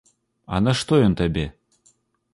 А нашто ён табе?